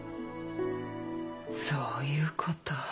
そういうこと。